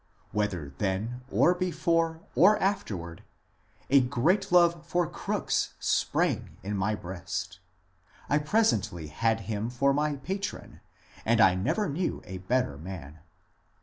Whether then, or before, or afterward, a great love for Crooks sprang in my breast. I presently had him for my ^^ patron," and I never knew a better man.